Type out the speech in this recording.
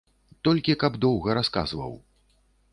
Толькі каб доўга расказваў.